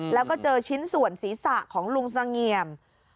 แล้วก็เจอชิ้นส่วนศีรษะของลุงเสงี่ยม